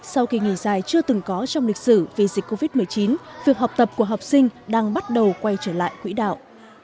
sau kỳ nghỉ dài chưa từng có trong lịch sử vì dịch covid một mươi chín việc học tập của học sinh đang bắt đầu quay trở lại quỹ đạo